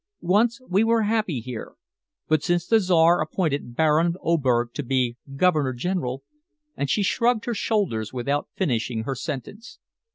Once we were happy here, but since the Czar appointed Baron Oberg to be Governor General " and she shrugged her shoulders without finishing her sentence.